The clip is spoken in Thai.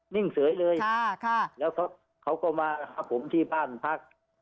นิ่งสวยเลยค่ะคอแล้วเขาเขาก็มาครับผมที่พ่านพัก